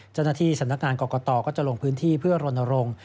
จนาที่สนักงานกรกตก็จะลงพื้นที่เพื่อลนรง